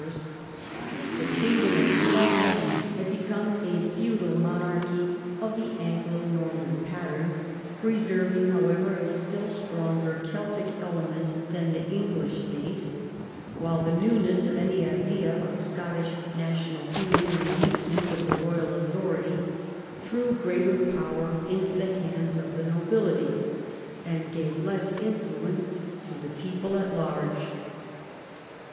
X THE SCOTTISH OVERLORDSHIP 165 the kingdom of Scotland had become a feudal monarchy of the Anglo Norman pattern, preserving, however, a still stronger Celtic element than the English state, while the newness of any idea of Scottish national feeling, and the weakness of the royal authority, threw greater power into the hands of the nobility and gave less influence to the people at large.